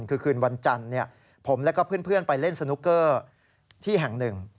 คือคืนวันจันทร์ผมและก็เพื่อนไปเล่นสนุกเกอร์ที่แห่งหนึ่ง